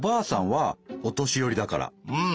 うん。